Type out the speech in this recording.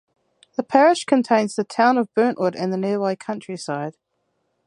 The parish contains the town of Burntwood and the nearby countryside.